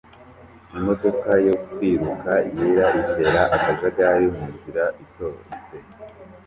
Imodoka yo kwiruka yera itera akajagari mu nzira itose